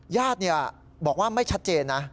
ยาดเนี่ยบอกว่าไม่ชัดเจนนะ